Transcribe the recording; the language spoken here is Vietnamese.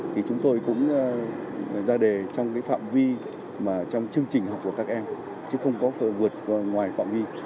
thì chúng tôi cũng ra đề trong phạm vi trong chương trình học của các em chứ không có vượt ngoài phạm vi